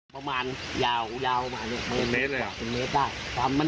ประมาณยาวคิดถือเยอะแบบ๓๐เมตรได้